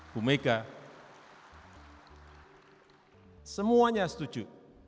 bumega semuanya setuju